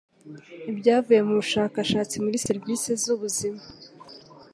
ibyavuye mu bushakashatsi muri serivisi z ubuzima